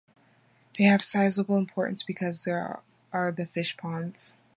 They have a sizable importance, because there are the fishponds.